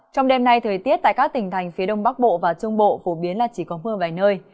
trong đêm nay thời tiết tại các tỉnh thành phía đông bắc bộ và trung bộ phổ biến là chỉ có mưa vài nơi